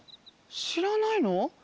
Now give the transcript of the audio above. しらないの？